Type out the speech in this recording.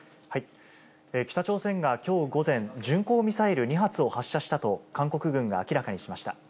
北朝鮮がきょう午前、巡航ミサイル２発を発射したと、韓国軍が明らかにしました。